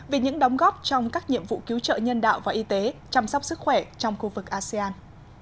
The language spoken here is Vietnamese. về những đóng góp trong các nhiệm vụ cứu trợ nhân đạo và y tế chăm sóc sức khỏe trong khu vực asean